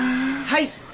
はい。